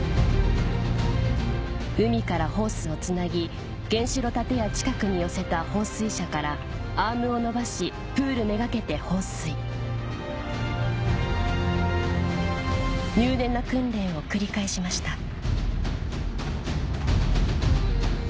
海からホースをつなぎ原子炉建屋近くに寄せた放水車からアームを伸ばしプールめがけて放水入念な訓練を繰り返しました